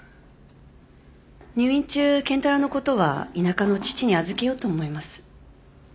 入院中健太郎のことは田舎の父に預けようと思います。